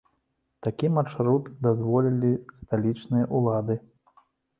Такі маршрут дазволілі сталічныя ўлады.